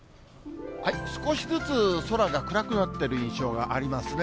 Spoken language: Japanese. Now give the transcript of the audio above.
少しずつ空が暗くなっている印象がありますね。